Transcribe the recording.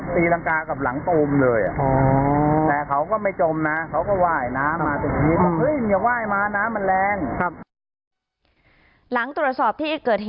ตีรังกากับหลังตูมเลย